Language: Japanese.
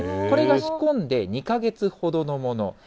これが仕込んで２か月ほどのもの。